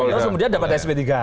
terus kemudian dapat sp tiga